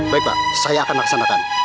baik pak saya akan laksanakan